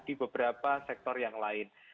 di beberapa sektor yang lain